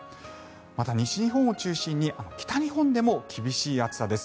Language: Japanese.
また、西日本を中心に北日本でも厳しい暑さです。